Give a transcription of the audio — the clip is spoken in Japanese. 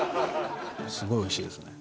すごいおいしいですね